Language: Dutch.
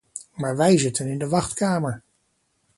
Maar wij zitten in de wachtkamer!